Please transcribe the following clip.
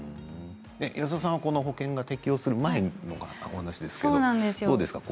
安田さんはこの保険適用する前の話ですけど、どうですか。